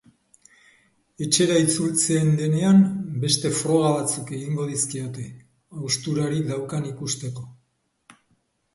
Etxera itzultzen denean, beste froga batzuk egingo dizkiote, hausturarik daukan ikusteko.